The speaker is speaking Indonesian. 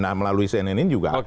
nah melalui cnn ini juga